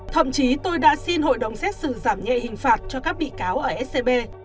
thậm chí tôi đã xin hội đồng xét xử giảm nhẹ hình phạt cho các bị cáo ở scb